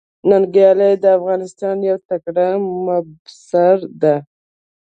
ننګيال د افغانستان يو تکړه مبصر ده.